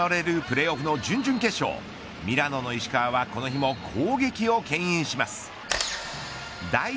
全５試合で行われるプレーオフの準々決勝ミラノの石川はこの日も攻撃をけん引します。